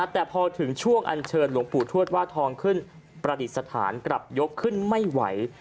แต่พอถึงช่วงอันเชิญหลวงปู่ทวดว่าทองขึ้นประดิษฐานกลับยกขึ้นไม่ไหว